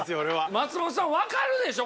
松本さん分かるでしょ？